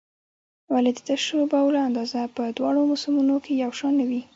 ولې د تشو بولو اندازه په دواړو موسمونو کې یو شان نه وي؟